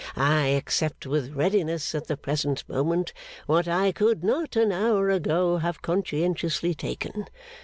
I accept with readiness, at the present moment, what I could not an hour ago have conscientiously taken.